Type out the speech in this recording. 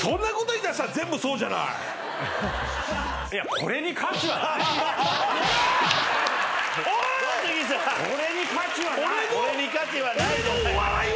これに価値はない！